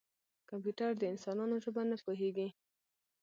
کمپیوټر د انسانانو ژبه نه پوهېږي.